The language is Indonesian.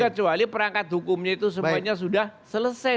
kecuali perangkat hukumnya itu semuanya sudah selesai